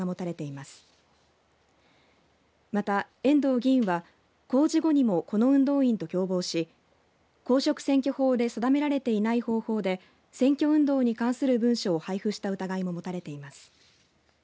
また、遠藤議員は公示後にも、この運動員と共謀し公職選挙法で定められていない方法で選挙運動に関する文書を配布した疑いも持たれています。